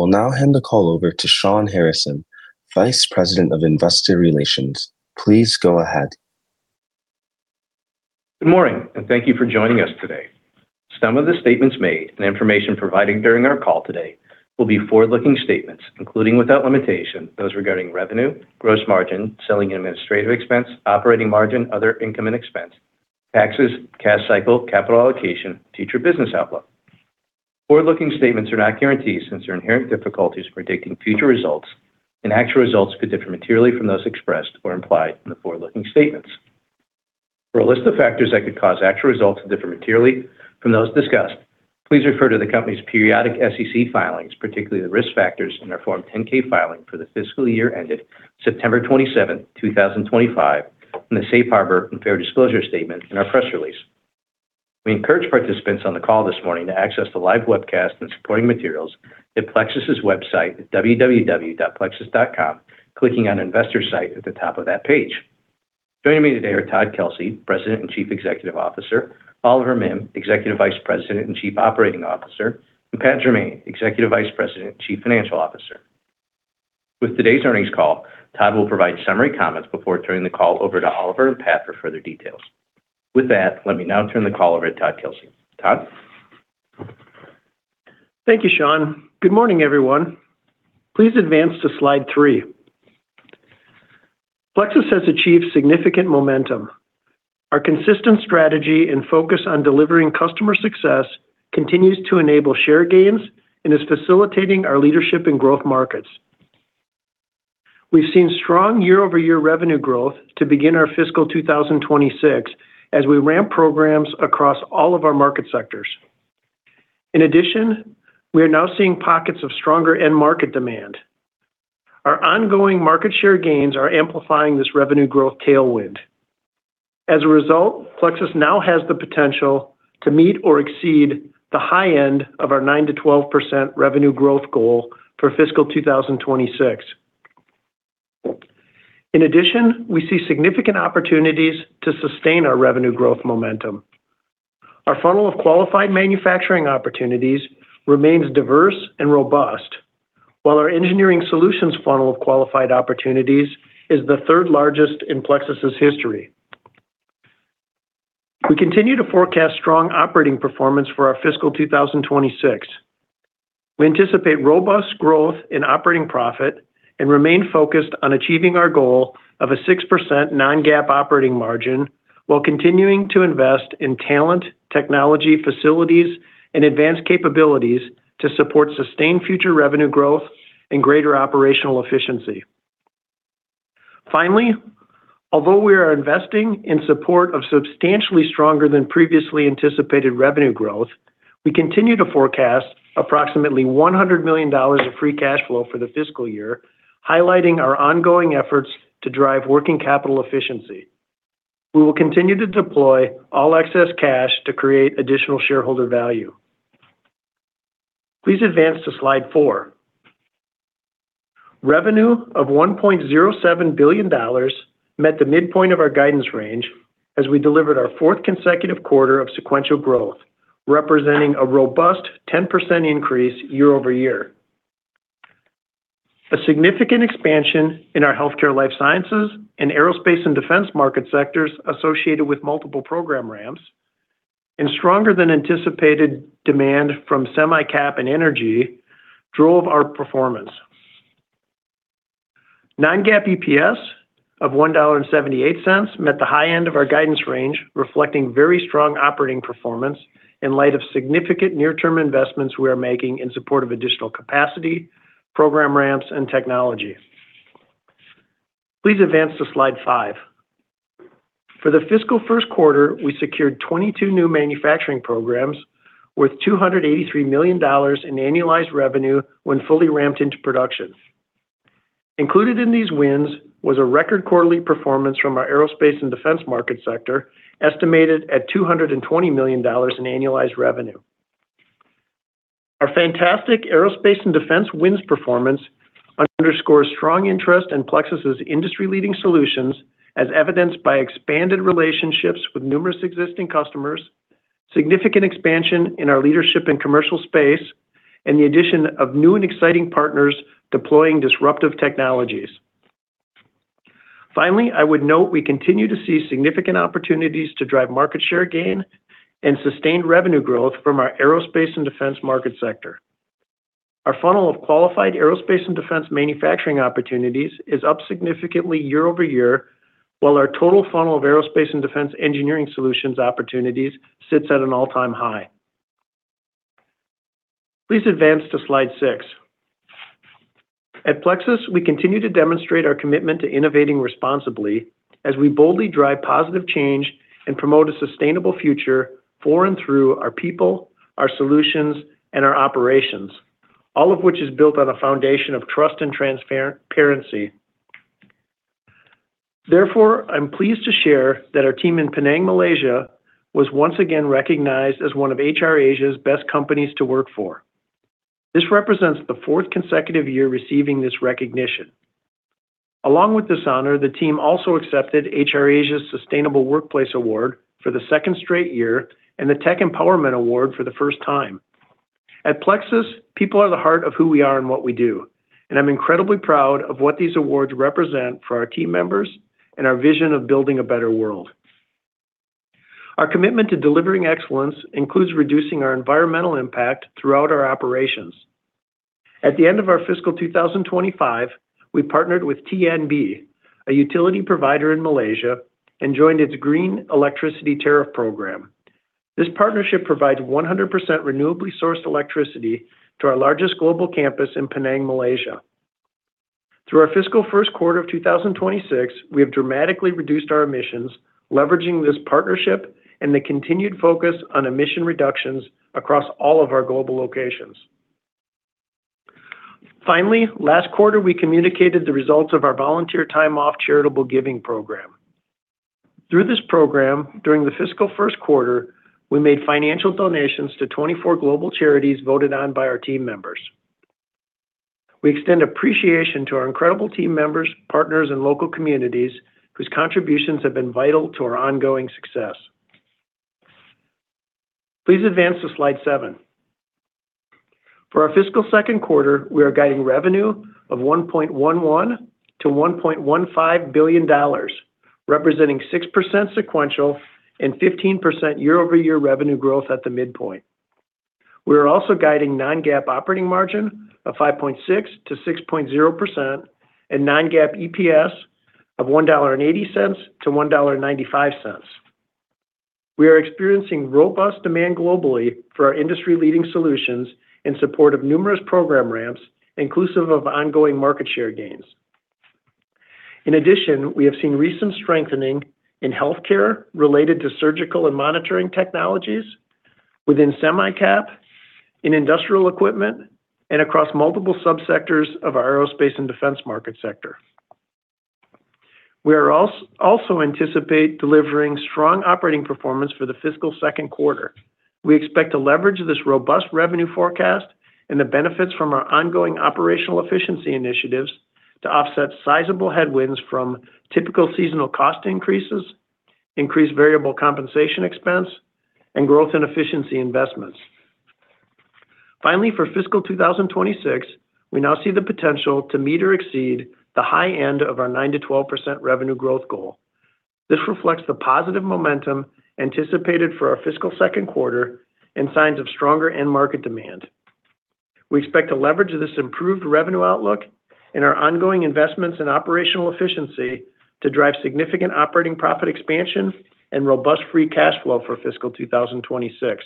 I will now hand the call over to Shawn Harrison, Vice President of Investor Relations. Please go ahead. Good morning, and thank you for joining us today. Some of the statements made and information provided during our call today will be forward-looking statements, including without limitation, those regarding revenue, gross margin, selling and administrative expense, operating margin, other income and expense, taxes, cash cycle, capital allocation, future business outlook. Forward-looking statements are not guarantees since there are inherent difficulties predicting future results, and actual results could differ materially from those expressed or implied in the forward-looking statements. For a list of factors that could cause actual results to differ materially from those discussed, please refer to the company's periodic SEC filings, particularly the risk factors in our Form 10-K filing for the fiscal year ended September 27, 2025, and the Safe Harbor and Fair Disclosure Statement in our press release. We encourage participants on the call this morning to access the live webcast and supporting materials at Plexus' website at www.plexus.com, clicking on Investors site at the top of that page. Joining me today are Todd Kelsey, President and Chief Executive Officer; Oliver Mihm, Executive Vice President and Chief Operating Officer; and Pat Jermain, Executive Vice President and Chief Financial Officer. With today's earnings call, Todd will provide summary comments before turning the call over to Oliver and Pat for further details. With that, let me now turn the call over to Todd Kelsey. Todd? Thank you, Shawn. Good morning, everyone. Please advance to slide 3. Plexus has achieved significant momentum. Our consistent strategy and focus on delivering customer success continues to enable share gains and is facilitating our leadership in growth markets. We've seen strong year-over-year revenue growth to begin our fiscal 2026 as we ramp programs across all of our market sectors. In addition, we are now seeing pockets of stronger end-market demand. Our ongoing market share gains are amplifying this revenue growth tailwind. As a result, Plexus now has the potential to meet or exceed the high end of our 9%-12% revenue growth goal for fiscal 2026. In addition, we see significant opportunities to sustain our revenue growth momentum. Our funnel of qualified manufacturing opportunities remains diverse and robust, while our engineering solutions funnel of qualified opportunities is the third largest in Plexus' history. We continue to forecast strong operating performance for our fiscal 2026. We anticipate robust growth in operating profit and remain focused on achieving our goal of a 6% non-GAAP operating margin while continuing to invest in talent, technology, facilities, and advanced capabilities to support sustained future revenue growth and greater operational efficiency. Finally, although we are investing in support of substantially stronger than previously anticipated revenue growth, we continue to forecast approximately $100 million of free cash flow for the fiscal year, highlighting our ongoing efforts to drive working capital efficiency. We will continue to deploy all excess cash to create additional shareholder value. Please advance to slide four. Revenue of $1.07 billion met the midpoint of our guidance range as we delivered our fourth consecutive quarter of sequential growth, representing a robust 10% increase year-over-year. A significant expansion in our healthcare life sciences and aerospace and defense market sectors associated with multiple program ramps and stronger than anticipated demand from semi-cap and energy drove our performance. Non-GAAP EPS of $1.78 met the high end of our guidance range, reflecting very strong operating performance in light of significant near-term investments we are making in support of additional capacity, program ramps, and technology. Please advance to slide five. For the fiscal first quarter, we secured 22 new manufacturing programs worth $283 million in annualized revenue when fully ramped into production. Included in these wins was a record quarterly performance from our aerospace and defense market sector estimated at $220 million in annualized revenue. Our fantastic aerospace and defense wins performance underscores strong interest in Plexus' industry-leading solutions, as evidenced by expanded relationships with numerous existing customers, significant expansion in our leadership and commercial space, and the addition of new and exciting partners deploying disruptive technologies. Finally, I would note we continue to see significant opportunities to drive market share gain and sustained revenue growth from our aerospace and defense market sector. Our funnel of qualified aerospace and defense manufacturing opportunities is up significantly year-over-year, while our total funnel of aerospace and defense engineering solutions opportunities sits at an all-time high. Please advance to slide six. At Plexus, we continue to demonstrate our commitment to innovating responsibly as we boldly drive positive change and promote a sustainable future for and through our people, our solutions, and our operations, all of which is built on a foundation of trust and transparency. Therefore, I'm pleased to share that our team in Penang, Malaysia, was once again recognized as one of HR Asia's best companies to work for. This represents the fourth consecutive year receiving this recognition. Along with this honor, the team also accepted HR Asia's Sustainable Workplace Award for the second straight year and the Tech Empowerment Award for the first time. At Plexus, people are the heart of who we are and what we do, and I'm incredibly proud of what these awards represent for our team members and our vision of building a better world. Our commitment to delivering excellence includes reducing our environmental impact throughout our operations. At the end of our fiscal 2025, we partnered with TNB, a utility provider in Malaysia, and joined its Green Electricity Tariff Program. This partnership provides 100% renewably sourced electricity to our largest global campus in Penang, Malaysia. Through our fiscal first quarter of 2026, we have dramatically reduced our emissions, leveraging this partnership and the continued focus on emission reductions across all of our global locations. Finally, last quarter, we communicated the results of our Volunteer Time Off Charitable Giving Program. Through this program, during the fiscal first quarter, we made financial donations to 24 global charities voted on by our team members. We extend appreciation to our incredible team members, partners, and local communities whose contributions have been vital to our ongoing success. Please advance to slide seven. For our fiscal second quarter, we are guiding revenue of $1.11-$1.15 billion, representing 6% sequential and 15% year-over-year revenue growth at the midpoint. We are also guiding non-GAAP operating margin of 5.6%-6.0% and non-GAAP EPS of $1.80-$1.95. We are experiencing robust demand globally for our industry-leading solutions in support of numerous program ramps, inclusive of ongoing market share gains. In addition, we have seen recent strengthening in healthcare related to surgical and monitoring technologies within semi-cap, in industrial equipment, and across multiple subsectors of our aerospace and defense market sector. We also anticipate delivering strong operating performance for the fiscal second quarter. We expect to leverage this robust revenue forecast and the benefits from our ongoing operational efficiency initiatives to offset sizable headwinds from typical seasonal cost increases, increased variable compensation expense, and growth in efficiency investments. Finally, for fiscal 2026, we now see the potential to meet or exceed the high end of our 9%-12% revenue growth goal. This reflects the positive momentum anticipated for our fiscal second quarter and signs of stronger end-market demand. We expect to leverage this improved revenue outlook and our ongoing investments in operational efficiency to drive significant operating profit expansion and robust free cash flow for fiscal 2026.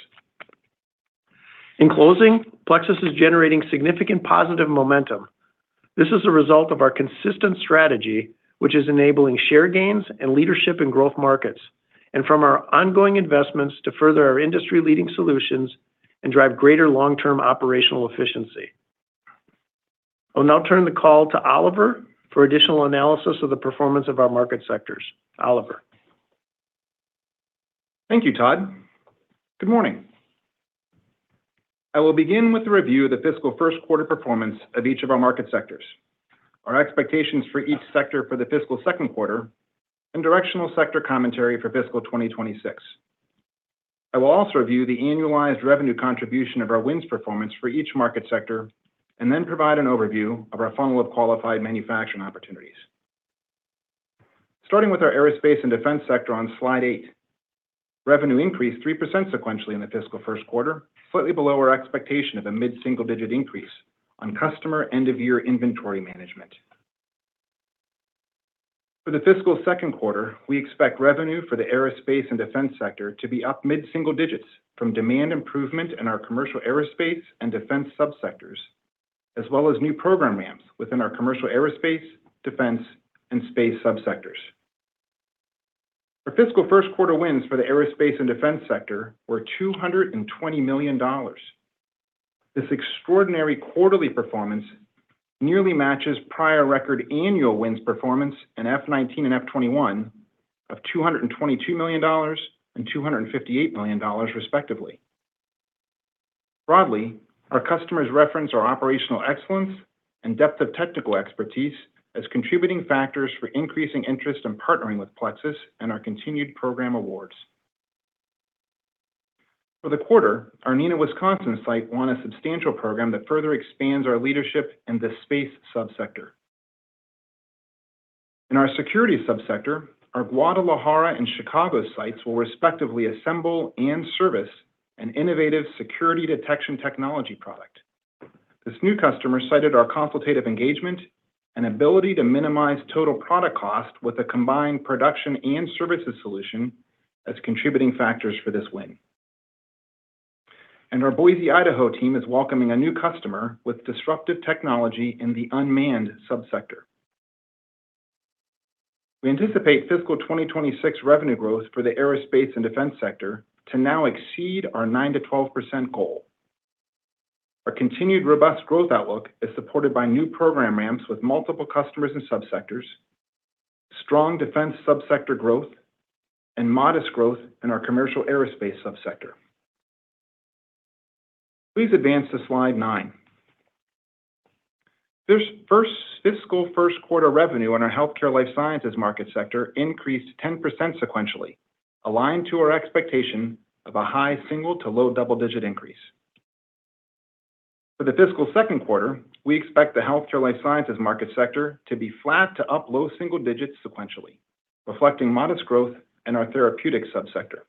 In closing, Plexus is generating significant positive momentum. This is a result of our consistent strategy, which is enabling share gains and leadership in growth markets, and from our ongoing investments to further our industry-leading solutions and drive greater long-term operational efficiency. I'll now turn the call to Oliver for additional analysis of the performance of our market sectors. Oliver. Thank you, Todd. Good morning. I will begin with the review of the fiscal first quarter performance of each of our market sectors, our expectations for each sector for the fiscal second quarter, and directional sector commentary for fiscal 2026. I will also review the annualized revenue contribution of our wins performance for each market sector and then provide an overview of our funnel of qualified manufacturing opportunities. Starting with our aerospace and defense sector on slide 8, revenue increased 3% sequentially in the fiscal first quarter, slightly below our expectation of a mid-single-digit increase on customer end-of-year inventory management. For the fiscal second quarter, we expect revenue for the aerospace and defense sector to be up mid-single digits from demand improvement in our commercial aerospace and defense subsectors, as well as new program ramps within our commercial aerospace, defense, and space subsectors. Our fiscal first quarter wins for the aerospace and defense sector were $220 million. This extraordinary quarterly performance nearly matches prior record annual wins performance in FY 2019 and FY 2021 of $222 million and $258 million, respectively. Broadly, our customers reference our operational excellence and depth of technical expertise as contributing factors for increasing interest in partnering with Plexus and our continued program awards. For the quarter, our Neenah, Wisconsin site won a substantial program that further expands our leadership in the space subsector. In our security subsector, our Guadalajara and Chicago sites will respectively assemble and service an innovative security detection technology product. This new customer cited our consultative engagement and ability to minimize total product cost with a combined production and services solution as contributing factors for this win. Our Boise, Idaho team is welcoming a new customer with disruptive technology in the unmanned subsector. We anticipate fiscal 2026 revenue growth for the aerospace and defense sector to now exceed our 9%-12% goal. Our continued robust growth outlook is supported by new program ramps with multiple customers and subsectors, strong defense subsector growth, and modest growth in our commercial aerospace subsector. Please advance to slide 9. This first fiscal first quarter revenue in our healthcare life sciences market sector increased 10% sequentially, aligned to our expectation of a high single to low double-digit increase. For the fiscal second quarter, we expect the healthcare life sciences market sector to be flat to up low single digits sequentially, reflecting modest growth in our therapeutic subsector.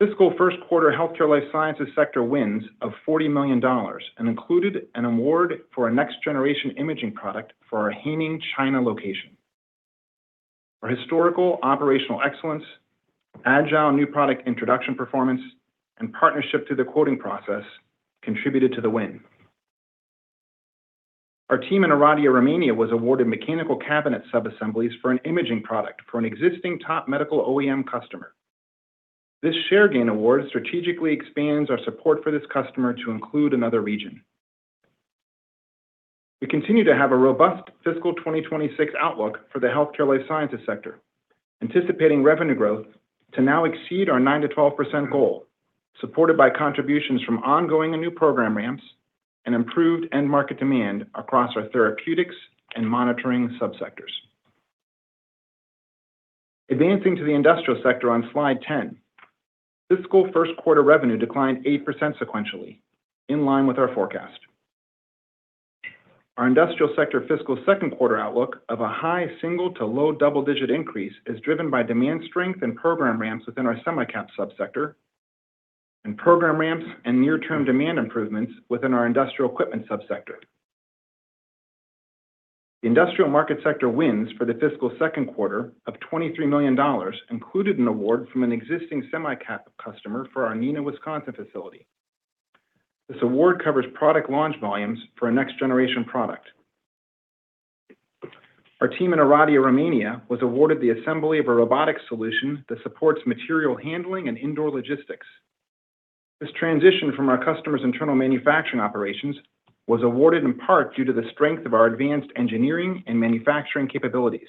Fiscal first quarter healthcare life sciences sector wins of $40 million included an award for a next-generation imaging product for our Haining, China location. Our historical operational excellence, agile new product introduction performance, and partnership to the quoting process contributed to the win. Our team in Oradea, Romania, was awarded mechanical cabinet subassemblies for an imaging product for an existing top medical OEM customer. This share gain award strategically expands our support for this customer to include another region. We continue to have a robust fiscal 2026 outlook for the healthcare life sciences sector, anticipating revenue growth to now exceed our 9%-12% goal, supported by contributions from ongoing and new program ramps and improved end-market demand across our therapeutics and monitoring subsectors. Advancing to the industrial sector on slide 10, fiscal first quarter revenue declined 8% sequentially, in line with our forecast. Our industrial sector fiscal second quarter outlook of a high single to low double-digit increase is driven by demand strength and program ramps within our semi-cap subsector and program ramps and near-term demand improvements within our industrial equipment subsector. The industrial market sector wins for the fiscal second quarter of $23 million included an award from an existing semi-cap customer for our Neenah, Wisconsin facility. This award covers product launch volumes for a next-generation product. Our team in Oradea, Romania, was awarded the assembly of a robotic solution that supports material handling and indoor logistics. This transition from our customer's internal manufacturing operations was awarded in part due to the strength of our advanced engineering and manufacturing capabilities.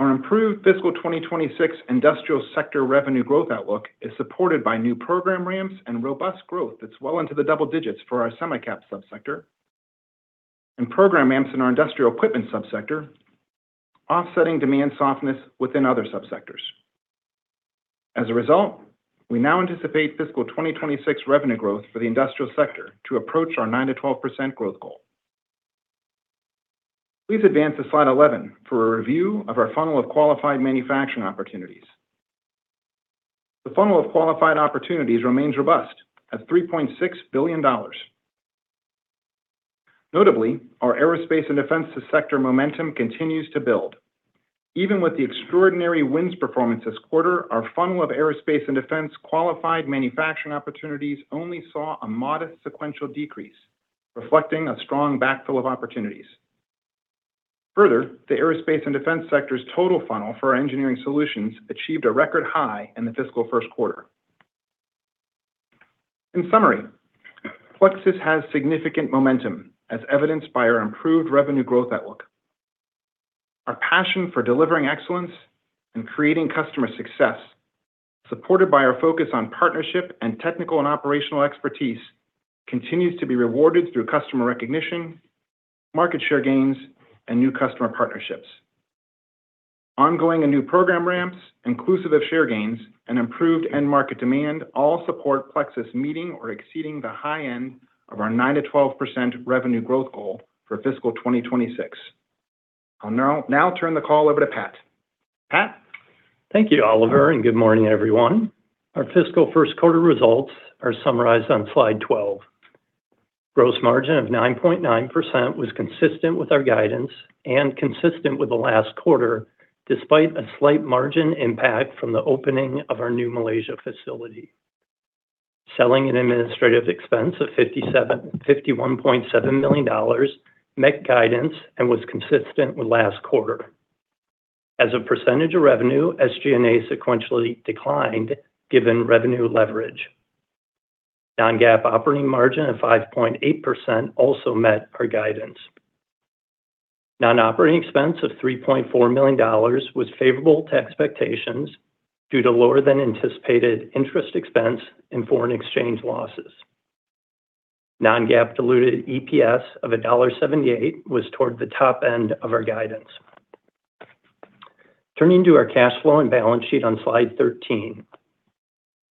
Our improved fiscal 2026 industrial sector revenue growth outlook is supported by new program ramps and robust growth that's well into the double digits for our semi-cap subsector and program ramps in our industrial equipment subsector, offsetting demand softness within other subsectors. As a result, we now anticipate fiscal 2026 revenue growth for the industrial sector to approach our 9%-12% growth goal. Please advance to slide 11 for a review of our funnel of qualified manufacturing opportunities. The funnel of qualified opportunities remains robust at $3.6 billion. Notably, our aerospace and defense sector momentum continues to build. Even with the extraordinary wins performance this quarter, our funnel of aerospace and defense qualified manufacturing opportunities only saw a modest sequential decrease, reflecting a strong backfill of opportunities. Further, the aerospace and defense sector's total funnel for our engineering solutions achieved a record high in the fiscal first quarter. In summary, Plexus has significant momentum, as evidenced by our improved revenue growth outlook. Our passion for delivering excellence and creating customer success, supported by our focus on partnership and technical and operational expertise, continues to be rewarded through customer recognition, market share gains, and new customer partnerships. Ongoing and new program ramps, inclusive of share gains, and improved end-market demand all support Plexus meeting or exceeding the high end of our 9%-12% revenue growth goal for fiscal 2026. I'll now turn the call over to Pat. Pat? Thank you, Oliver, and good morning, everyone. Our fiscal first quarter results are summarized on slide 12. Gross margin of 9.9% was consistent with our guidance and consistent with the last quarter, despite a slight margin impact from the opening of our new Malaysia facility. Selling and administrative expense of $51.7 million met guidance and was consistent with last quarter. As a percentage of revenue, SG&A sequentially declined given revenue leverage. Non-GAAP operating margin of 5.8% also met our guidance. Non-operating expense of $3.4 million was favorable to expectations due to lower than anticipated interest expense and foreign exchange losses. Non-GAAP diluted EPS of $1.78 was toward the top end of our guidance. Turning to our cash flow and balance sheet on slide 13,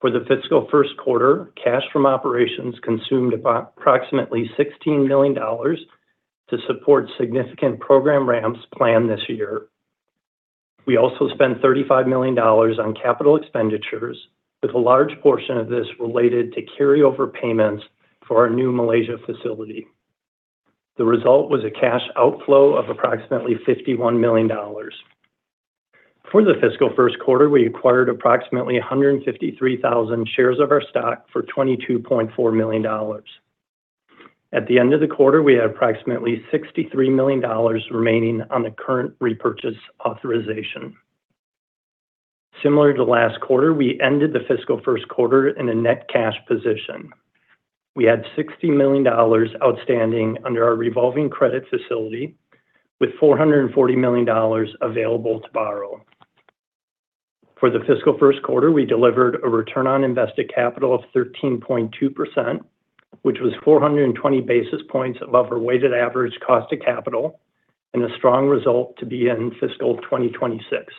for the fiscal first quarter, cash from operations consumed approximately $16 million to support significant program ramps planned this year. We also spent $35 million on capital expenditures, with a large portion of this related to carryover payments for our new Malaysia facility. The result was a cash outflow of approximately $51 million. For the fiscal first quarter, we acquired approximately 153,000 shares of our stock for $22.4 million. At the end of the quarter, we had approximately $63 million remaining on the current repurchase authorization. Similar to last quarter, we ended the fiscal first quarter in a net cash position. We had $60 million outstanding under our revolving credit facility, with $440 million available to borrow. For the fiscal first quarter, we delivered a return on invested capital of 13.2%, which was 420 basis points above our weighted average cost of capital, and a strong result to be in fiscal 2026.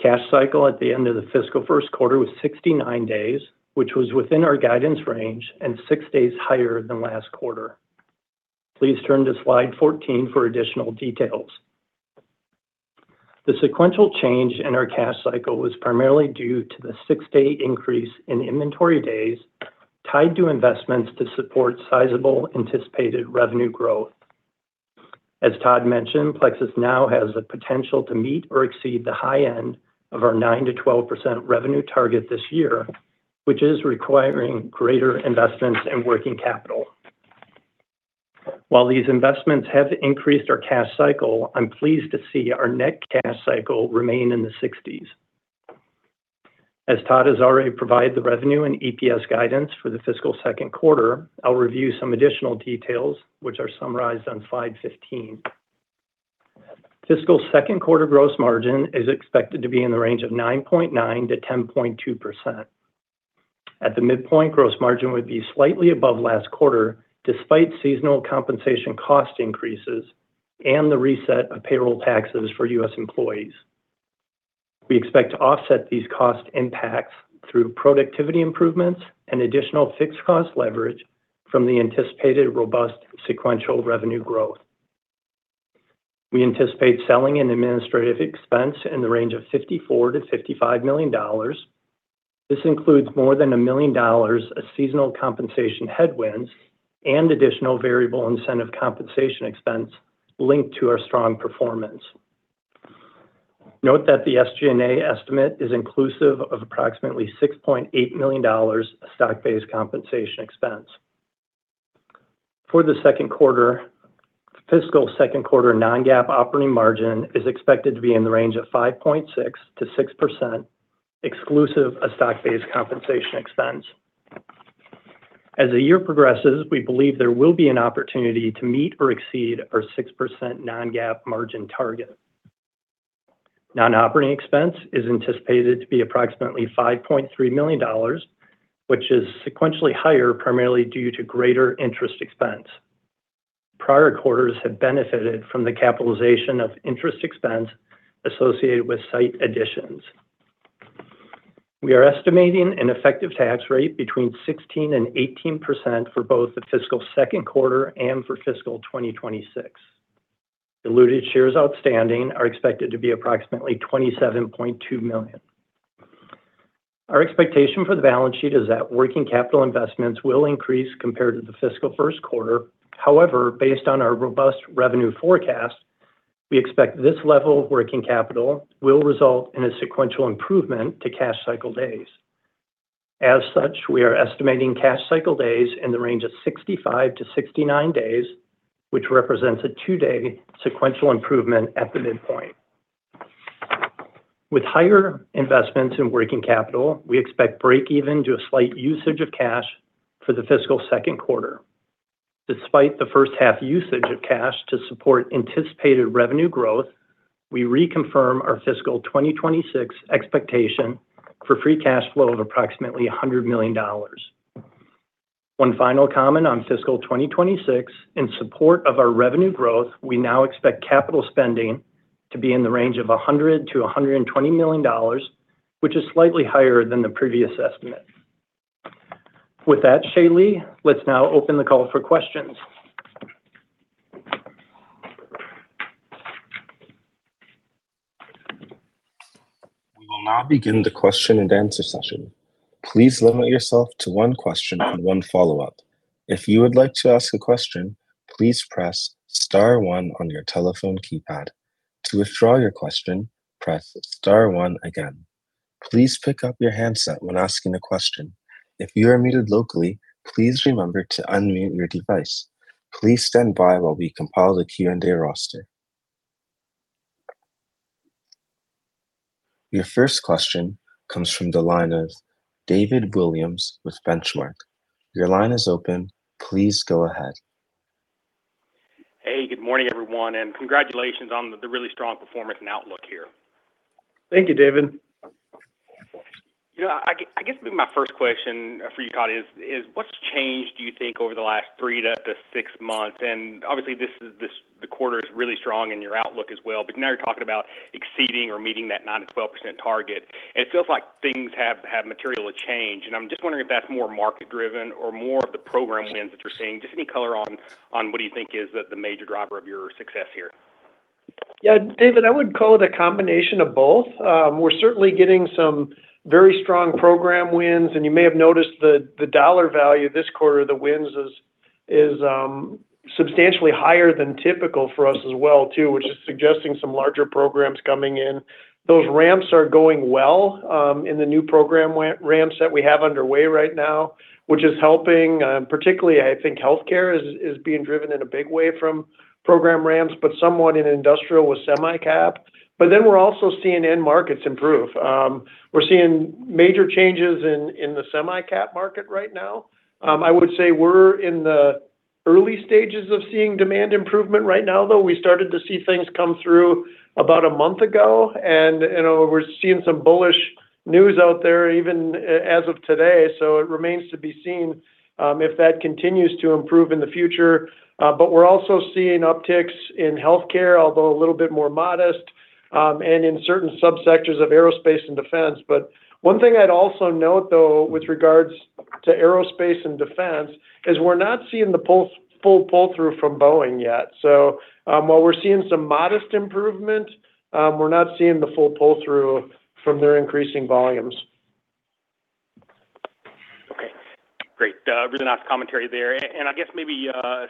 Cash cycle at the end of the fiscal first quarter was 69 days, which was within our guidance range and six days higher than last quarter. Please turn to slide 14 for additional details. The sequential change in our cash cycle was primarily due to the six-day increase in inventory days tied to investments to support sizable anticipated revenue growth. As Todd mentioned, Plexus now has the potential to meet or exceed the high end of our 9%-12% revenue target this year, which is requiring greater investments and working capital. While these investments have increased our cash cycle, I'm pleased to see our net cash cycle remain in the sixties. As Todd has already provided the revenue and EPS guidance for the fiscal second quarter, I'll review some additional details, which are summarized on slide 15. Fiscal second quarter gross margin is expected to be in the range of 9.9%-10.2%. At the midpoint, gross margin would be slightly above last quarter, despite seasonal compensation cost increases and the reset of payroll taxes for U.S. employees. We expect to offset these cost impacts through productivity improvements and additional fixed cost leverage from the anticipated robust sequential revenue growth. We anticipate selling and administrative expense in the range of $54 million-$55 million. This includes more than $1 million of seasonal compensation headwinds and additional variable incentive compensation expense linked to our strong performance. Note that the SG&A estimate is inclusive of approximately $6.8 million of stock-based compensation expense. For the second quarter, fiscal second quarter non-GAAP operating margin is expected to be in the range of 5.6%-6%, exclusive of stock-based compensation expense. As the year progresses, we believe there will be an opportunity to meet or exceed our 6% non-GAAP margin target. Non-operating expense is anticipated to be approximately $5.3 million, which is sequentially higher primarily due to greater interest expense. Prior quarters have benefited from the capitalization of interest expense associated with site additions. We are estimating an effective tax rate between 16%-18% for both the fiscal second quarter and for fiscal 2026. Diluted shares outstanding are expected to be approximately 27.2 million. Our expectation for the balance sheet is that working capital investments will increase compared to the fiscal first quarter. However, based on our robust revenue forecast, we expect this level of working capital will result in a sequential improvement to cash cycle days. As such, we are estimating cash cycle days in the range of 65 to 69 days, which represents a two-day sequential improvement at the midpoint. With higher investments in working capital, we expect break-even to a slight usage of cash for the fiscal second quarter. Despite the first-half usage of cash to support anticipated revenue growth, we reconfirm our fiscal 2026 expectation for free cash flow of approximately $100 million. One final comment on fiscal 2026: in support of our revenue growth, we now expect capital spending to be in the range of $100-$120 million, which is slightly higher than the previous estimate. With that, Shaylee, let's now open the call for questions. We will now begin the question and answer session. Please limit yourself to one question and one follow-up. If you would like to ask a question, please press star one on your telephone keypad. To withdraw your question, press star one again. Please pick up your handset when asking a question. If you are muted locally, please remember to unmute your device. Please stand by while we compile the Q&A roster. Your first question comes from the line of David Williams with Benchmark. Your line is open. Please go ahead. Hey, good morning, everyone, and congratulations on the really strong performance and outlook here. Thank you, David. You know, I guess maybe my first question for you, Todd, is what's changed, do you think, over the last 3-6 months? And obviously, this quarter is really strong in your outlook as well, but now you're talking about exceeding or meeting that 9%-12% target. And it feels like things have materially changed. And I'm just wondering if that's more market-driven or more of the program wins that you're seeing. Just any color on what do you think is the major driver of your success here? Yeah, David, I would call it a combination of both. We're certainly getting some very strong program wins, and you may have noticed the dollar value this quarter, the wins is substantially higher than typical for us as well, too, which is suggesting some larger programs coming in. Those ramps are going well in the new program ramps that we have underway right now, which is helping. Particularly, I think healthcare is being driven in a big way from program ramps, but somewhat in industrial with semi-cap. But then we're also seeing end markets improve. We're seeing major changes in the semi-cap market right now. I would say we're in the early stages of seeing demand improvement right now, though. We started to see things come through about a month ago, and we're seeing some bullish news out there even as of today. So it remains to be seen if that continues to improve in the future. But we're also seeing upticks in healthcare, although a little bit more modest, and in certain subsectors of aerospace and defense. But one thing I'd also note, though, with regards to aerospace and defense is we're not seeing the full pull-through from Boeing yet. So while we're seeing some modest improvement, we're not seeing the full pull-through from their increasing volumes. Okay. Great. Really nice commentary there. And I guess maybe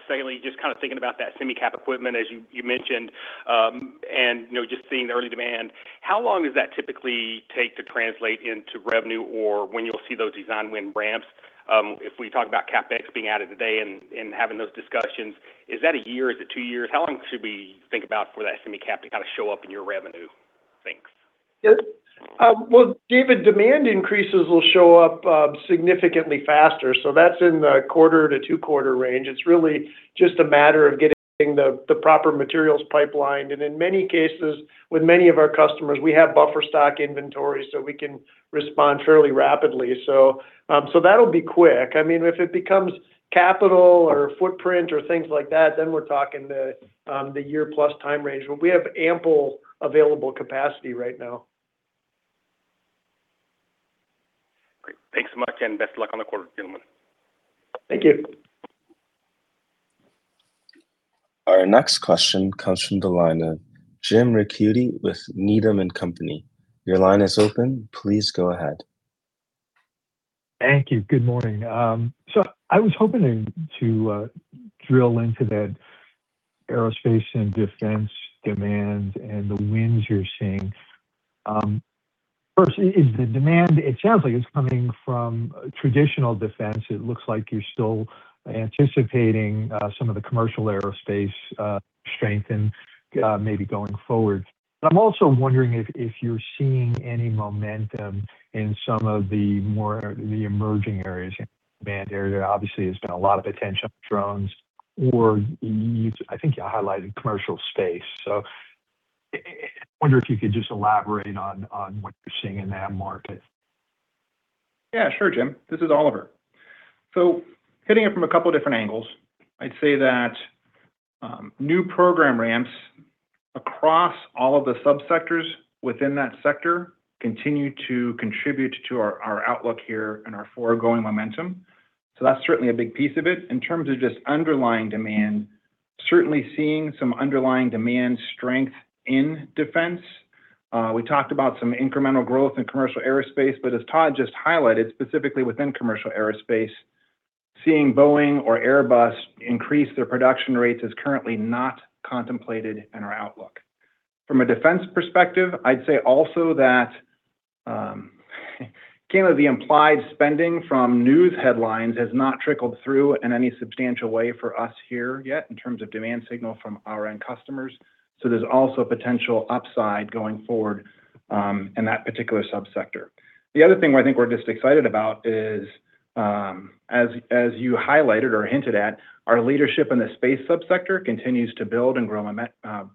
secondly, just kind of thinking about that semi-cap equipment, as you mentioned, and just seeing the early demand, how long does that typically take to translate into revenue or when you'll see those design win ramps? If we talk about CapEx being added today and having those discussions, is that a year? Is it two years? How long should we think about for that semi-cap to kind of show up in your revenue things? Well, David, demand increases will show up significantly faster. So that's in the quarter to two-quarter range. It's really just a matter of getting the proper materials pipeline. And in many cases, with many of our customers, we have buffer stock inventory so we can respond fairly rapidly. So that'll be quick. I mean, if it becomes capital or footprint or things like that, then we're talking the year-plus time range, but we have ample available capacity right now. Great. Thanks so much, and best of luck on the quarter, gentlemen. Thank you. Our next question comes from the line of Jim Ricchiuti with Needham & Company. Your line is open. Please go ahead. Thank you. Good morning. So I was hoping to drill into that aerospace and defense demand and the wins you're seeing. First, the demand, it sounds like it's coming from traditional defense. It looks like you're still anticipating some of the commercial aerospace strengthening maybe going forward. But I'm also wondering if you're seeing any momentum in some of the more emerging areas. Demand area, obviously, has been a lot of attention on drones, or I think you highlighted commercial space. So I wonder if you could just elaborate on what you're seeing in that market. Yeah, sure, Jim. This is Oliver. So hitting it from a couple of different angles, I'd say that new program ramps across all of the subsectors within that sector continue to contribute to our outlook here and our foregoing momentum. So that's certainly a big piece of it. In terms of just underlying demand, certainly seeing some underlying demand strength in defense. We talked about some incremental growth in commercial aerospace, but as Todd just highlighted, specifically within commercial aerospace, seeing Boeing or Airbus increase their production rates is currently not contemplated in our outlook. From a defense perspective, I'd say also that kind of the implied spending from news headlines has not trickled through in any substantial way for us here yet in terms of demand signal from our end customers. So there's also potential upside going forward in that particular subsector. The other thing I think we're just excited about is, as you highlighted or hinted at, our leadership in the space subsector continues to build and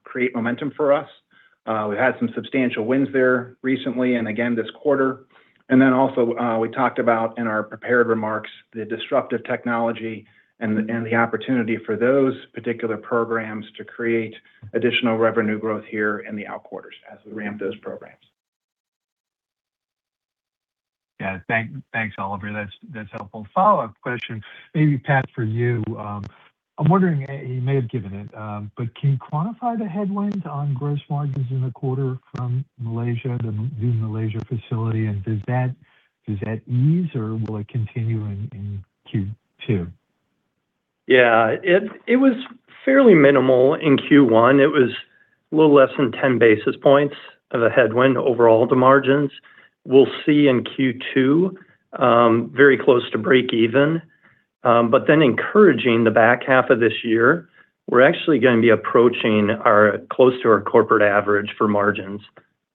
create momentum for us. We've had some substantial wins there recently and again this quarter. And then also we talked about in our prepared remarks the disruptive technology and the opportunity for those particular programs to create additional revenue growth here in the out quarters as we ramp those programs. Yeah, thanks, Oliver. That's helpful. Follow-up question, maybe Pat for you. I'm wondering, you may have given it, but can you quantify the headwinds on gross margins in the quarter from Malaysia, the new Malaysia facility? And does that ease or will it continue in Q2? Yeah, it was fairly minimal in Q1. It was a little less than 10 basis points of a headwind over all the margins. We'll see in Q2 very close to break-even. But then encouraging the back half of this year, we're actually going to be approaching close to our corporate average for margins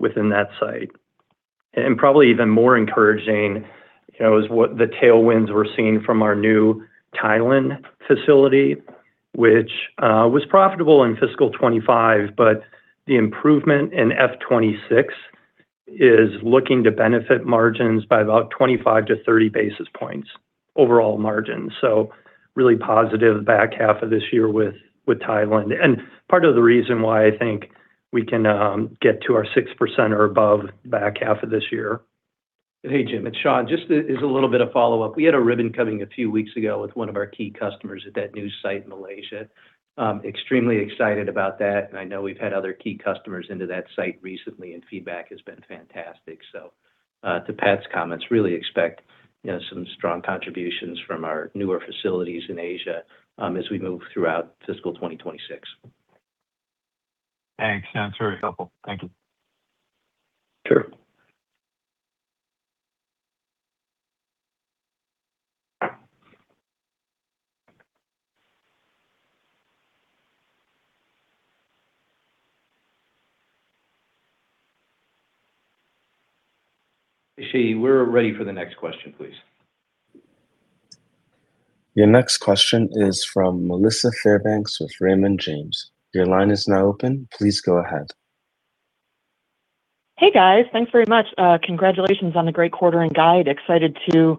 within that site. And probably even more encouraging is what the tailwinds we're seeing from our new Thailand facility, which was profitable in fiscal 2025, but the improvement in 2026 is looking to benefit margins by about 25-30 basis points overall margins. So really positive back half of this year with Thailand. And part of the reason why I think we can get to our 6% or above back half of this year. Hey, Jim. It's Shawn. Just as a little bit of follow-up, we had a ribbon cutting a few weeks ago with one of our key customers at that new site in Malaysia. Extremely excited about that. And I know we've had other key customers into that site recently, and feedback has been fantastic. So to Pat's comments, really expect some strong contributions from our newer facilities in Asia as we move throughout fiscal 2026. Thanks. Sounds very helpful. Thank you. Sure. Shi, we're ready for the next question, please. Your next question is from Melissa Fairbanks with Raymond James. Your line is now open. Please go ahead. Hey, guys. Thanks very much. Congratulations on the great quarter and guide. Excited to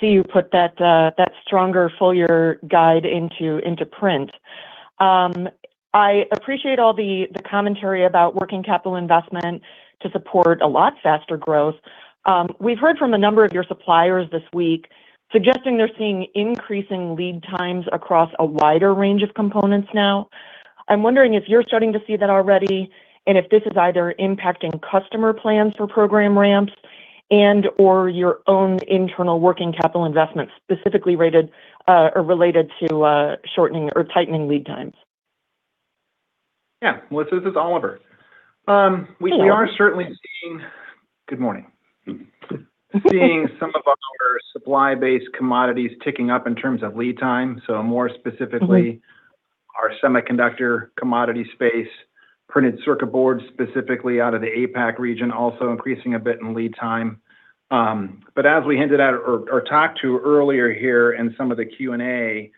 see you put that stronger full-year guide into print. I appreciate all the commentary about working capital investment to support a lot faster growth. We've heard from a number of your suppliers this week suggesting they're seeing increasing lead times across a wider range of components now. I'm wondering if you're starting to see that already, and if this is either impacting customer plans for program ramps and/or your own internal working capital investment specifically rated or related to shortening or tightening lead times? Yeah. Melissa, this is Oliver. We are certainly seeing good morning. Seeing some of our supply-based commodities ticking up in terms of lead time. So more specifically, our semiconductor commodity space, printed circuit boards specifically out of the APAC region also increasing a bit in lead time. But as we hinted at or talked to earlier here in some of the Q&A,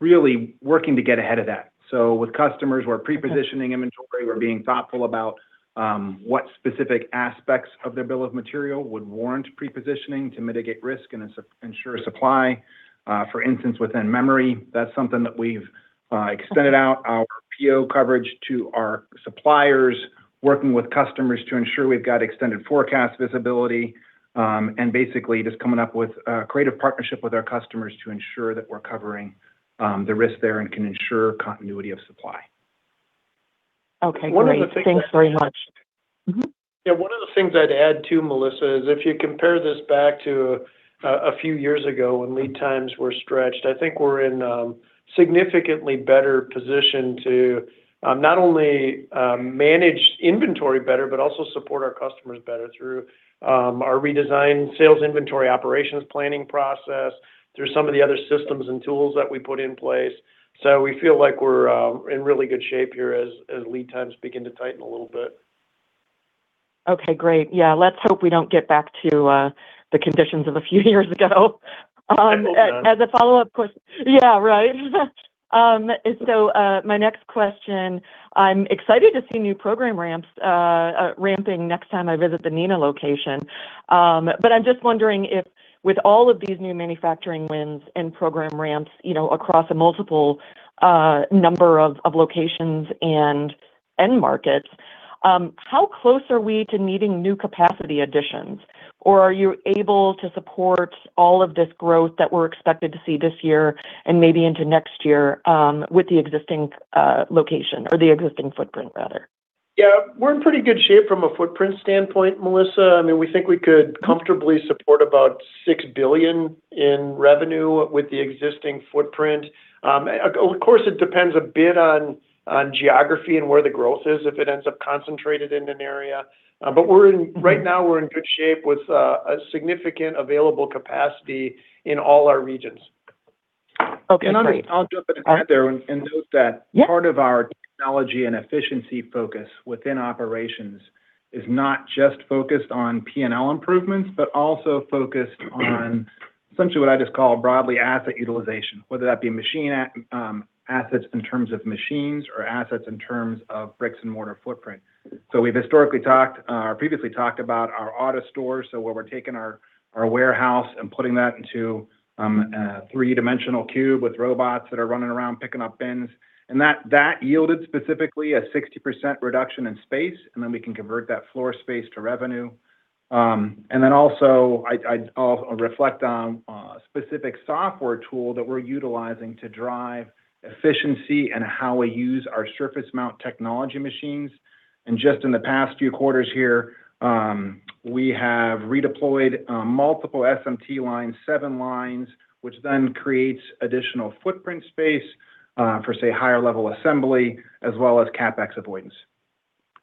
really working to get ahead of that. So with customers, we're pre-positioning inventory. We're being thoughtful about what specific aspects of their bill of material would warrant pre-positioning to mitigate risk and ensure supply. For instance, within memory, that's something that we've extended out our PO coverage to our suppliers, working with customers to ensure we've got extended forecast visibility, and basically just coming up with a creative partnership with our customers to ensure that we're covering the risk there and can ensure continuity of supply. Okay. Thanks very much. Yeah. One of the things I'd add too, Melissa, is if you compare this back to a few years ago when lead times were stretched, I think we're in a significantly better position to not only manage inventory better, but also support our customers better through our redesigned sales inventory operations planning process, through some of the other systems and tools that we put in place. So we feel like we're in really good shape here as lead times begin to tighten a little bit. Okay. Great. Yeah. Let's hope we don't get back to the conditions of a few years ago. As a follow-up question. Yeah, right. So my next question, I'm excited to see new program ramps ramping next time I visit the Neenah location. But I'm just wondering if with all of these new manufacturing wins and program ramps across a multiple number of locations and markets, how close are we to needing new capacity additions? Or are you able to support all of this growth that we're expected to see this year and maybe into next year with the existing location or the existing footprint, rather? Yeah. We're in pretty good shape from a footprint standpoint, Melissa. I mean, we think we could comfortably support about $6 billion in revenue with the existing footprint. Of course, it depends a bit on geography and where the growth is if it ends up concentrated in an area. But right now, we're in good shape with significant available capacity in all our regions. Okay. Great. I'll jump in there and note that part of our technology and efficiency focus within operations is not just focused on P&L improvements, but also focused on essentially what I just call broadly asset utilization, whether that be machine assets in terms of machines or assets in terms of bricks-and-mortar footprint. We've historically talked or previously talked about our AutoStore. Where we're taking our warehouse and putting that into a three-dimensional cube with robots that are running around picking up bins. That yielded specifically a 60% reduction in space. Then we can convert that floor space to revenue. Then also I'll reflect on a specific software tool that we're utilizing to drive efficiency and how we use our surface mount technology machines. Just in the past few quarters here, we have redeployed multiple SMT lines, 7 lines, which then creates additional footprint space for, say, higher-level assembly, as well as CapEx avoidance.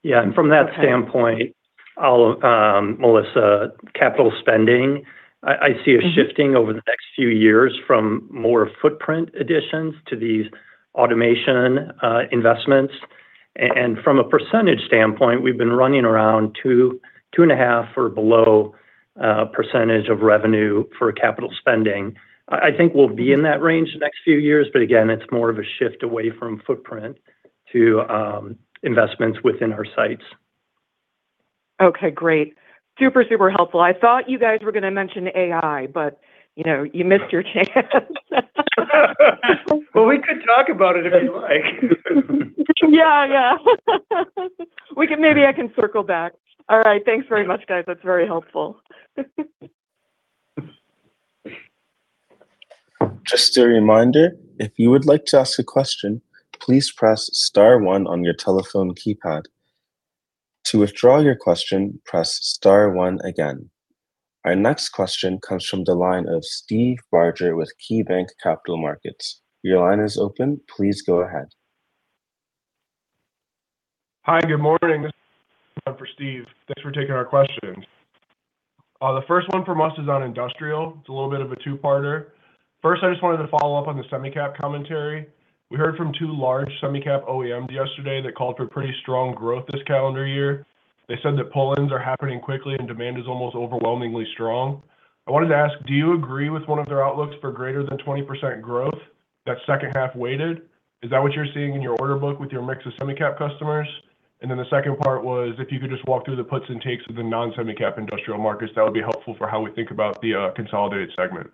Yeah. From that standpoint, Melissa, capital spending, I see a shifting over the next few years from more footprint additions to these automation investments. From a percentage standpoint, we've been running around 2.5% or below of revenue for capital spending. I think we'll be in that range the next few years. But again, it's more of a shift away from footprint to investments within our sites. Okay. Great. Super, super helpful. I thought you guys were going to mention AI, but you missed your chance. Well, we could talk about it if you like. Yeah, yeah. Maybe I can circle back. All right. Thanks very much, guys. That's very helpful. Just a reminder, if you would like to ask a question, please press star one on your telephone keypad. To withdraw your question, press star one again. Our next question comes from the line of Steve Barger with KeyBanc Capital Markets. Your line is open. Please go ahead. Hi. Good morning. This is Steve. Thanks for taking our questions. The first one for us is on industrial. It's a little bit of a two-parter. First, I just wanted to follow up on the semi-cap commentary. We heard from two large semi-cap OEMs yesterday that called for pretty strong growth this calendar year. They said that pull-ins are happening quickly and demand is almost overwhelmingly strong. I wanted to ask, do you agree with one of their outlooks for greater than 20% growth that second half weighted? Is that what you're seeing in your order book with your mix of semi-cap customers? And then the second part was if you could just walk through the puts and takes of the non-semi-cap industrial markets, that would be helpful for how we think about the consolidated segment.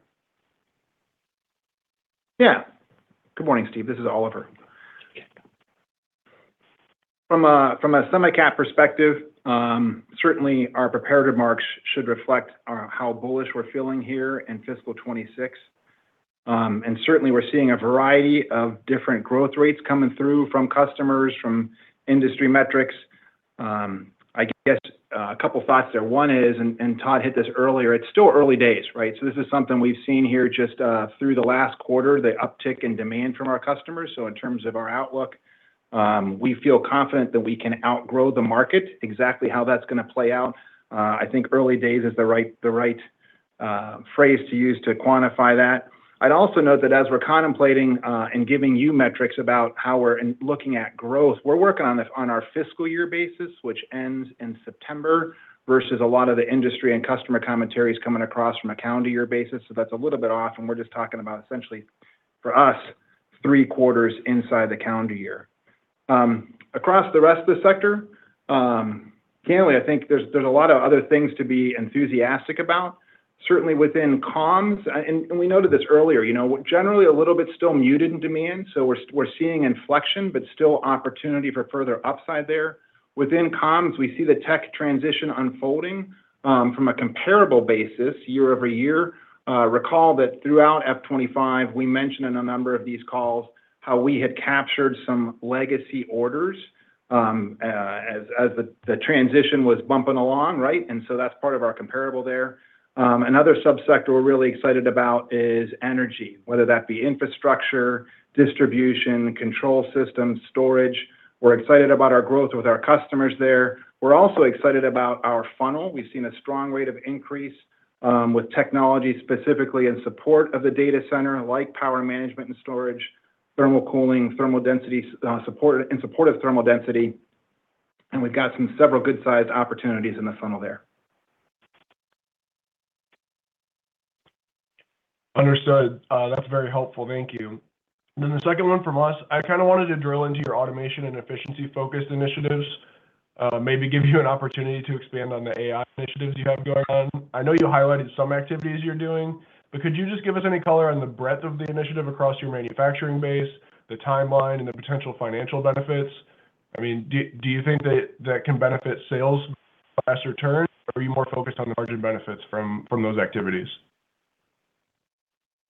Yeah. Good morning, Steve. This is Oliver. From a semi-cap perspective, certainly our preparatory marks should reflect how bullish we're feeling here in fiscal 2026. And certainly, we're seeing a variety of different growth rates coming through from customers, from industry metrics. I guess a couple of thoughts there. One is, and Todd hit this earlier, it's still early days, right? So this is something we've seen here just through the last quarter, the uptick in demand from our customers. So in terms of our outlook, we feel confident that we can outgrow the market exactly how that's going to play out. I think early days is the right phrase to use to quantify that. I'd also note that as we're contemplating and giving you metrics about how we're looking at growth, we're working on our fiscal year basis, which ends in September versus a lot of the industry and customer commentaries coming across from a calendar year basis. So that's a little bit off. And we're just talking about essentially, for us, three quarters inside the calendar year. Across the rest of the sector, candidly, I think there's a lot of other things to be enthusiastic about. Certainly within comms, and we noted this earlier, generally a little bit still muted in demand. So we're seeing inflection, but still opportunity for further upside there. Within comms, we see the tech transition unfolding from a comparable basis year-over-year. Recall that throughout F2025, we mentioned in a number of these calls how we had captured some legacy orders as the transition was bumping along, right? And so that's part of our comparable there. Another subsector we're really excited about is energy, whether that be infrastructure, distribution, control systems, storage. We're excited about our growth with our customers there. We're also excited about our funnel. We've seen a strong rate of increase with technology specifically in support of the data center, like power management and storage, thermal cooling, thermal density, support in support of thermal density. And we've got some several good-sized opportunities in the funnel there. Understood. That's very helpful. Thank you. Then the second one from us, I kind of wanted to drill into your automation and efficiency-focused initiatives, maybe give you an opportunity to expand on the AI initiatives you have going on. I know you highlighted some activities you're doing, but could you just give us any color on the breadth of the initiative across your manufacturing base, the timeline, and the potential financial benefits? I mean, do you think that can benefit sales faster turn, or are you more focused on the margin benefits from those activities?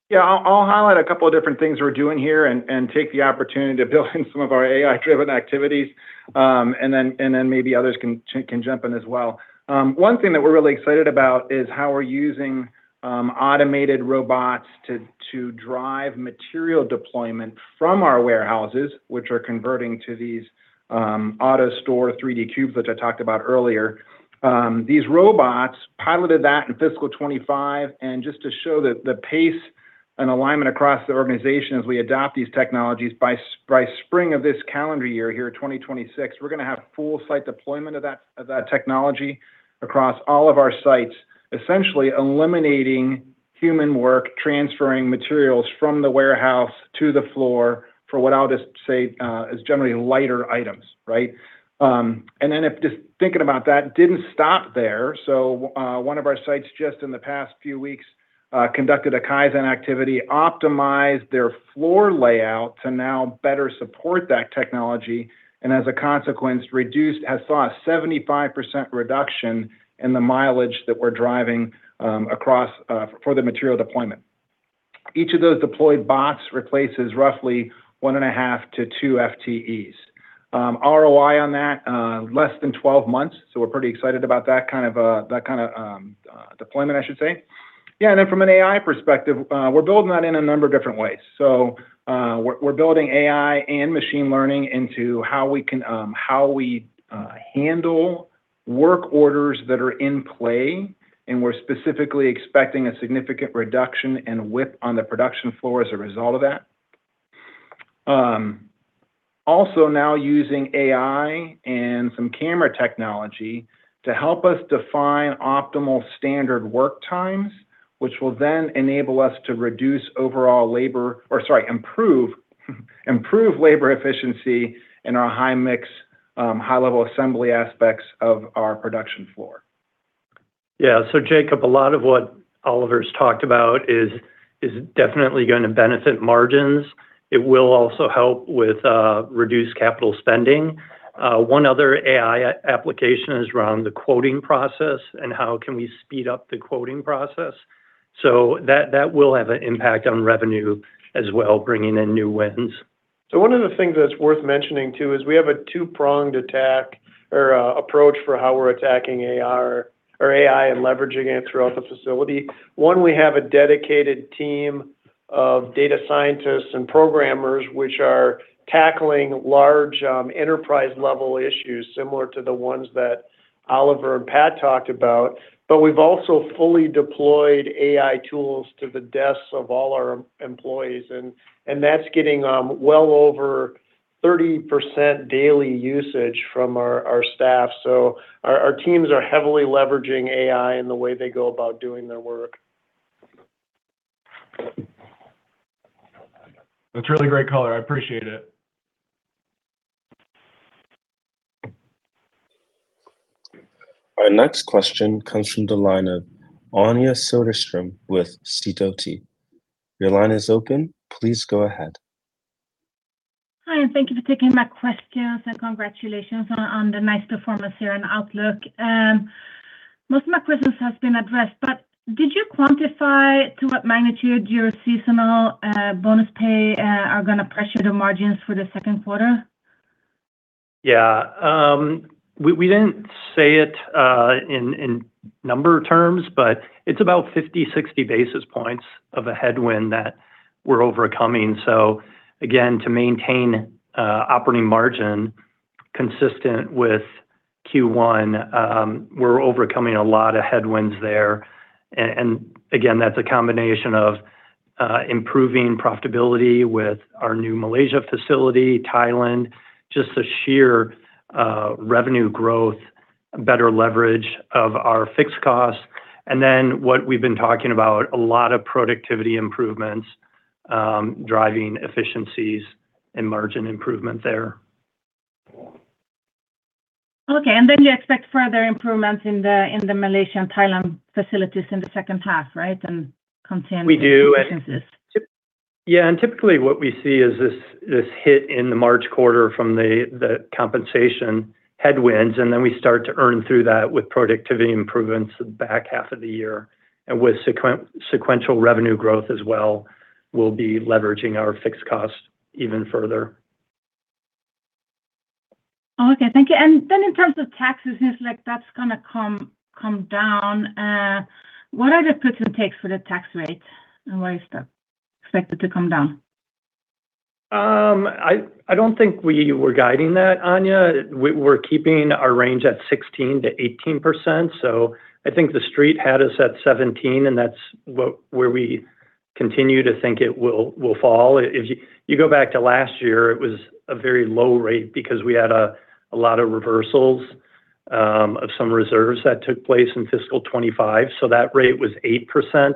Yeah. I'll highlight a couple of different things we're doing here and take the opportunity to build in some of our AI-driven activities. And then maybe others can jump in as well. One thing that we're really excited about is how we're using automated robots to drive material deployment from our warehouses, which are converting to these AutoStore 3D cubes, which I talked about earlier. These robots piloted that in fiscal 2025. And just to show the pace and alignment across the organization as we adopt these technologies, by spring of this calendar year here in 2026, we're going to have full site deployment of that technology across all of our sites, essentially eliminating human work, transferring materials from the warehouse to the floor for what I'll just say is generally lighter items, right? And then just thinking about that, didn't stop there. So one of our sites just in the past few weeks conducted a Kaizen activity, optimized their floor layout to now better support that technology. And as a consequence, has saw a 75% reduction in the mileage that we're driving across for the material deployment. Each of those deployed bots replaces roughly 1.5-2 FTEs. ROI on that, less than 12 months. So we're pretty excited about that kind of deployment, I should say. Yeah. And then from an AI perspective, we're building that in a number of different ways. So we're building AI and machine learning into how we handle work orders that are in play. And we're specifically expecting a significant reduction in WIP on the production floor as a result of that. Also now using AI and some camera technology to help us define optimal standard work times, which will then enable us to reduce overall labor or, sorry, improve labor efficiency in our high-mix, high-level assembly aspects of our production floor. Yeah. So Jacob, a lot of what Oliver's talked about is definitely going to benefit margins. It will also help with reduced capital spending. One other AI application is around the quoting process and how can we speed up the quoting process. So that will have an impact on revenue as well, bringing in new wins. So one of the things that's worth mentioning too is we have a two-pronged attack or approach for how we're attacking AI or AI and leveraging it throughout the facility. One, we have a dedicated team of data scientists and programmers, which are tackling large enterprise-level issues similar to the ones that Oliver and Pat talked about. But we've also fully deployed AI tools to the desks of all our employees. And that's getting well over 30% daily usage from our staff. So our teams are heavily leveraging AI in the way they go about doing their work. That's really great color. I appreciate it. Our next question comes from Anja Soderstrom with Sidoti. Your line is open. Please go ahead. Hi. Thank you for taking my questions and congratulations on the nice performance here and outlook. Most of my questions have been addressed. But did you quantify to what magnitude your seasonal bonus pay are going to pressure the margins for the second quarter? Yeah. We didn't say it in number terms, but it's about 50-60 basis points of a headwind that we're overcoming. So again, to maintain operating margin consistent with Q1, we're overcoming a lot of headwinds there. And again, that's a combination of improving profitability with our new Malaysia facility, Thailand, just the sheer revenue growth, better leverage of our fixed costs. And then what we've been talking about, a lot of productivity improvements, driving efficiencies and margin improvement there. Okay. And then you expect further improvements in the Malaysia and Thailand facilities in the second half, right, and containing efficiencies? We do. Yeah. And typically what we see is this hit in the March quarter from the compensation headwinds. And then we start to earn through that with productivity improvements in the back half of the year. And with sequential revenue growth as well, we'll be leveraging our fixed cost even further. Okay. Thank you. Then in terms of taxes, it's like that's going to come down. What are the percentages for the tax rate? Why is that expected to come down? I don't think we were guiding that, Anja. We're keeping our range at 16%-18%. So I think the street had us at 17%, and that's where we continue to think it will fall. If you go back to last year, it was a very low rate because we had a lot of reversals of some reserves that took place in fiscal 2025. So that rate was 8%.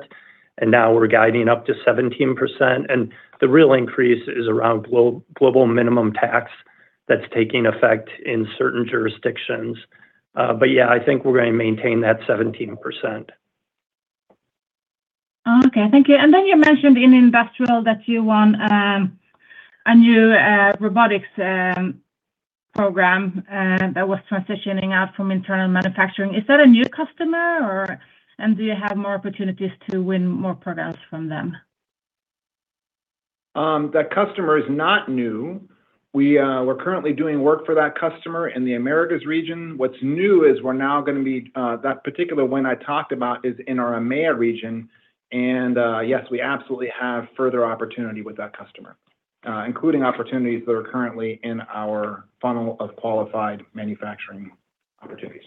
And now we're guiding up to 17%. And the real increase is around global minimum tax that's taking effect in certain jurisdictions. But yeah, I think we're going to maintain that 17%. Okay. Thank you. And then you mentioned in industrial that you won a new robotics program that was transitioning out from internal manufacturing. Is that a new customer, or do you have more opportunities to win more programs from them? That customer is not new. We're currently doing work for that customer in the Americas region. What's new is we're now going to be that particular one I talked about is in our EMEA region. And yes, we absolutely have further opportunity with that customer, including opportunities that are currently in our funnel of qualified manufacturing opportunities.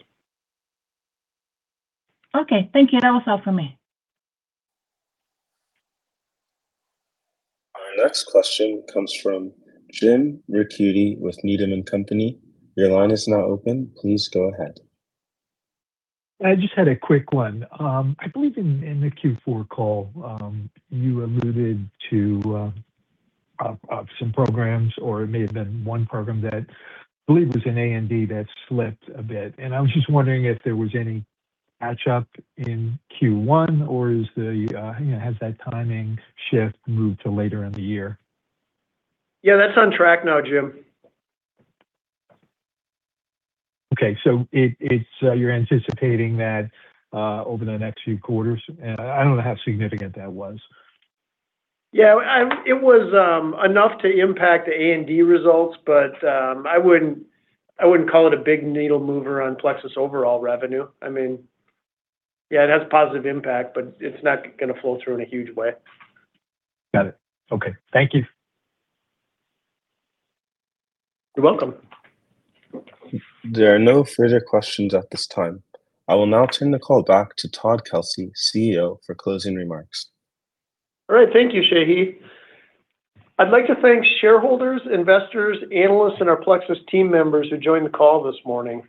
Okay. Thank you. That was all for me. Our next question comes from Jim Ricchiuti with Needham & Company. Your line is now open. Please go ahead. I just had a quick one. I believe in the Q4 call, you alluded to some programs, or it may have been one program that I believe was in A&D that slipped a bit. I was just wondering if there was any catch-up in Q1, or has that timing shift moved to later in the year? Yeah. That's on track now, Jim. Okay. So you're anticipating that over the next few quarters? I don't know how significant that was. Yeah. It was enough to impact the A&D results, but I wouldn't call it a big needle mover on Plexus overall revenue. I mean, yeah, it has a positive impact, but it's not going to flow through in a huge way. Got it. Okay. Thank you. You're welcome. There are no further questions at this time. I will now turn the call back to Todd Kelsey, CEO, for closing remarks. All right. Thank you, Shaylee. I'd like to thank shareholders, investors, analysts, and our Plexus team members who joined the call this morning.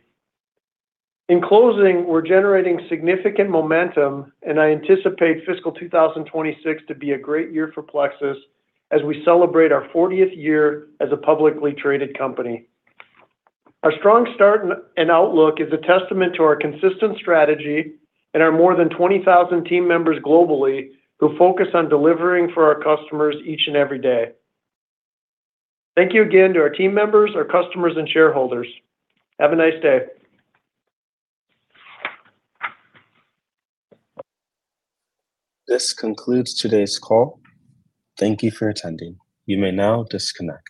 In closing, we're generating significant momentum, and I anticipate fiscal 2026 to be a great year for Plexus as we celebrate our 40th year as a publicly traded company. Our strong start and outlook is a testament to our consistent strategy and our more than 20,000 team members globally who focus on delivering for our customers each and every day. Thank you again to our team members, our customers, and shareholders. Have a nice day. This concludes today's call. Thank you for attending. You may now disconnect.